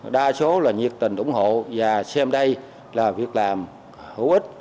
đa số là nhiệt tình ủng hộ và xem đây là việc làm hữu ích